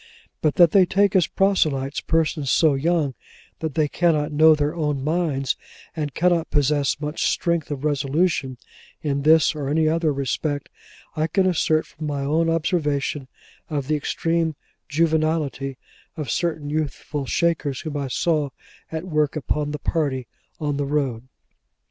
But that they take as proselytes, persons so young that they cannot know their own minds, and cannot possess much strength of resolution in this or any other respect, I can assert from my own observation of the extreme juvenility of certain youthful Shakers whom I saw at work among the party on the road.